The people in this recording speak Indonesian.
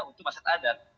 untuk masyarakat adat